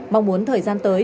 mong muốn thời gian tới